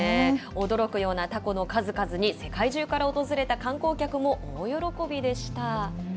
驚くようなたこの数々に、世界中から訪れた観光客も大喜びでした。